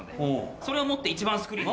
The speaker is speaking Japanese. それを持って１番スクリーン。